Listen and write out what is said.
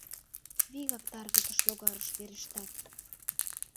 Вигак таргылтыш логарыш верештат!